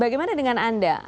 bagaimana dengan anda